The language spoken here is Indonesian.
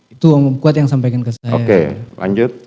itu om kuat yang sampaikan ke saya